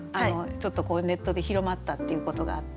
ちょっとこうネットで広まったっていうことがあって。